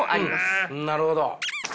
なるほど。